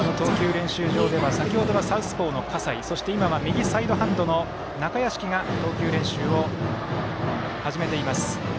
練習場では先ほどはサウスポーの葛西そして今は右サイドハンドの中屋敷が投球練習を始めています。